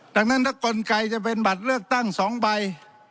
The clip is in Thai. ดังนั้นถ้ากลไกจะเป็นบัตรเลือกตั้ง๒ใบ